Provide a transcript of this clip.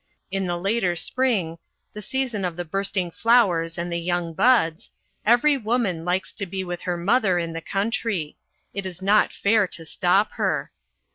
In the later spring, the season of the bursting flowers and the young buds, every woman likes to be with her mother in the country. It is not fair to stop her.